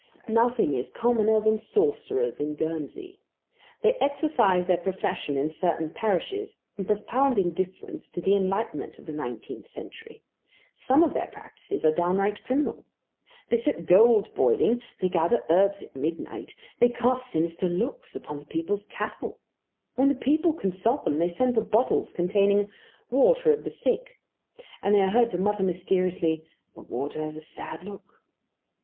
Nothing is commoner than sorcerers in Guernsey. They exercise their profession in certain parishes, in profound indifference to the enlightenment of the nineteenth century. Some of their practices are downright criminal. They set gold boiling, they gather herbs at midnight, they cast sinister looks upon the people's cattle. When the people consult them they send for bottles containing "water of the sick," and they are heard to mutter mysteriously, "the water has a sad look."